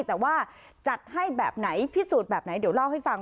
แต่ว่าจัดให้แบบไหนพิสูจน์แบบไหนเดี๋ยวเล่าให้ฟัง